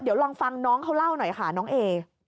เดี๋ยวลองฟังน้องเขาเล่าหน่อยค่ะน้องเอ